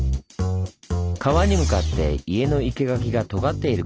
川に向かって家の生け垣がとがっていること。